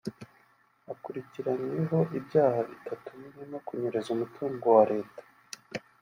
Akurikiranyweho ibyaha bitatu birimo kunyereza umutungo wa leta